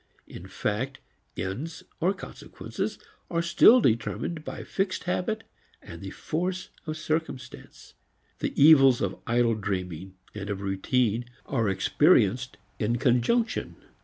In fact ends or consequences are still determined by fixed habit and the force of circumstance. The evils of idle dreaming and of routine are experienced in conjunction.